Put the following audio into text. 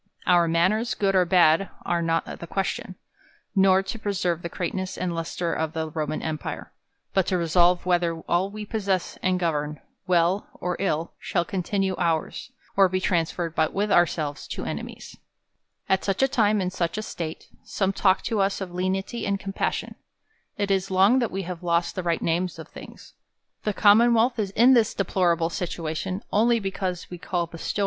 Our manners, good or bad, are not the question, nor to preserve the greatness and lustre of the Roman empire : but to resolve whether all we possess and govern, well or ill, shall continue our's, or be transferred with ourselves to enemies. At such a time, in such a state, some talk to us of lenity and compassion. It is long that we have lost the right names of things. The Common w^en 1th is in this deplorable situation, only because we call bestow ing ^ THE COLUMBIAN ORATOR.